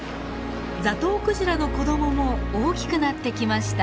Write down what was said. ザトウクジラの子どもも大きくなってきました。